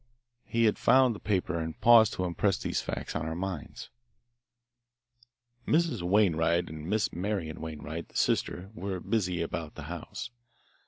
He had found the paper and paused to impress these facts on our minds. "Mrs. Wainwright and Miss Marian Wainwright, the sister, were busy about the house.